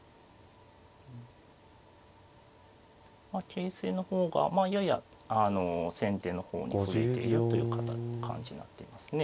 形勢の方がまあやや先手の方に振れているという感じになっていますね。